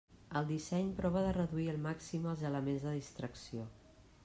El disseny prova de reduir al màxim els elements de distracció.